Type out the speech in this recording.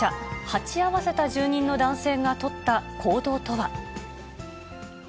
鉢合わせた住人の男性が取った行動とは。